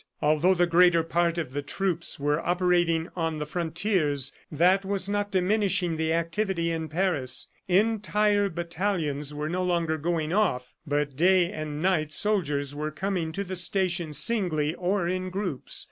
Although the greater part of the troops were operating on the frontiers, that was not diminishing the activity in Paris. Entire battalions were no longer going off, but day and night soldiers were coming to the station singly or in groups.